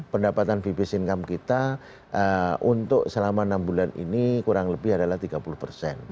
pendapatan bps income kita untuk selama enam bulan ini kurang lebih adalah tiga puluh persen